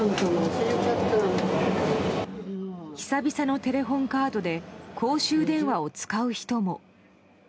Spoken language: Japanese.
久々のテレホンカードで公衆電話を使う人も。